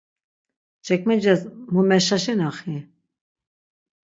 Çekmeces mu meşaşinaxi?